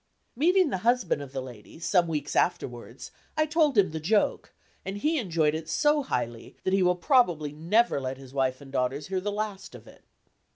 Meeting the husband of the lady, some weeks afterwards, I told him the joke, and he enjoyed it so highly that he will probably never let his wife and daughters hear the last of it.